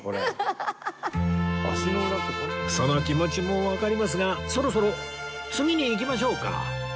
その気持ちもわかりますがそろそろ次に行きましょうか